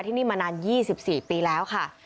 ที่นี่มานาน๒๔ปีแล้วค่ะ